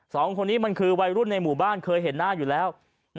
สองคนนี้มันคือวัยรุ่นในหมู่บ้านเคยเห็นหน้าอยู่แล้ว